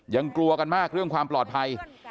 ยังกลัวกันมากเรื่องความปลอดภัย